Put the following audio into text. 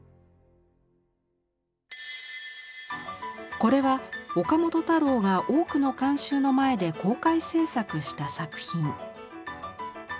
これは岡本太郎が多くの観衆の前で公開制作した作品。